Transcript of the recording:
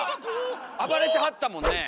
暴れてはったもんねえ。